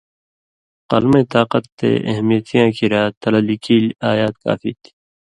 قلمَیں طاقت تے اہمیتی یاں کریا تلہ لکیلیۡ آیات کافی تھی۔